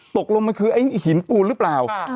ตกลงมันคือไอ้หินปูนหรือเปล่า